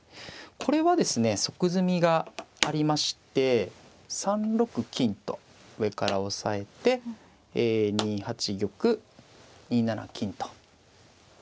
これはですね即詰みがありまして３六金と上から押さえて２八玉２七金と。